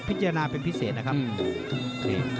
พิจารณาเป็นพิเศษนะครับ